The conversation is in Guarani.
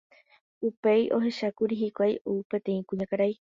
Upéi ohechákuri hikuái ou peteĩ kuñakarai